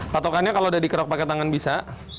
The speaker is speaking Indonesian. patokannya kalau udah dikerok pakai tangan bisa